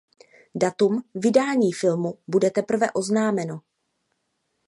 Datum vydání filmu bude teprve oznámeno.